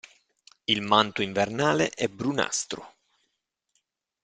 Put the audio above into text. Il manto invernale è brunastro.